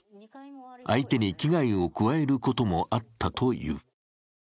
相手に危害を加えることもあったという。